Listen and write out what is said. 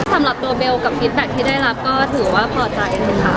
สำหรับตัวเบลกับฟิตแบ็คที่ได้รับก็ถือว่าพอใจนะคะ